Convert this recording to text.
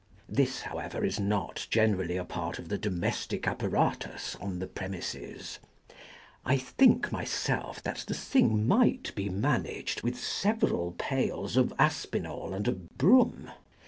This, however, is not generally a part of the domestic appa ratus on the premises. I think myself that the thing might be managed with several pails of Aspinall and a broom.